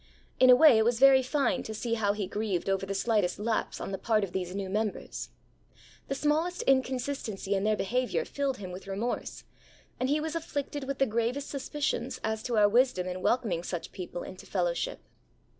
In a way it was very fine to see how he grieved over the slightest lapse on the part of these new members. The smallest inconsistency in their behaviour filled him with remorse, and he was afflicted with the gravest suspicions as to our wisdom in welcoming such people into fellowship.